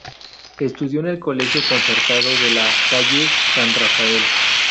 Estudió en el colegio concertado de La Salle San Rafael.